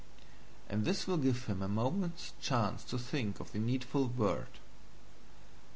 and this will give him a moment's chance to think of the needful word.